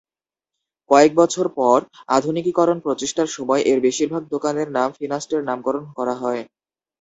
কয়েক বছর পর, আধুনিকীকরণ প্রচেষ্টার সময় এর বেশিরভাগ দোকানের নাম ফিনাস্টের নামকরণ করা হয়।